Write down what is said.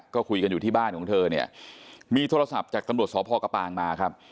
ก็คุยกันอยู่ที่บ้านของเธอเนี่ยมีโทรศัพท์จากตำรวจสพกระปางมาครับ